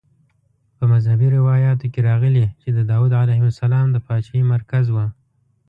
په مذهبي روایاتو کې راغلي چې د داود علیه السلام د پاچاهۍ مرکز وه.